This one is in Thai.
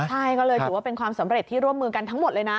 ใช่ก็เลยถือว่าเป็นความสำเร็จที่ร่วมมือกันทั้งหมดเลยนะ